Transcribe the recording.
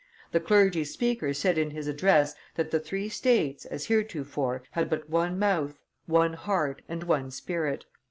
The clergy's speaker said in his address that the three estates, as heretofore, had but one mouth, one heart, and one spirit.